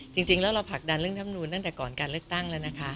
จริงแล้วเราผลักดันเรื่องธรรมนูนตั้งแต่ก่อนการเลือกตั้งแล้วนะคะ